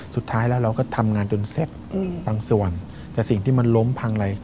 สุดท้ายแล้วเราก็ทำงานจนเสร็จบางส่วนแต่สิ่งที่มันล้มพังอะไร